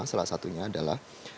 salah satunya adalah